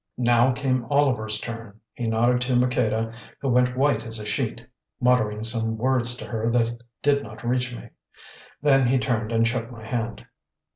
Now came Oliver's turn. He nodded to Maqueda, who went white as a sheet, muttering some words to her that did not reach me. Then he turned and shook my hand.